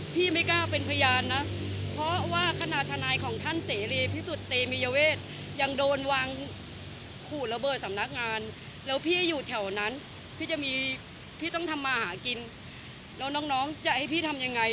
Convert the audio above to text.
พี่ต้องทำมาหากินแล้วน้องน้องจะให้พี่ทำอย่างไร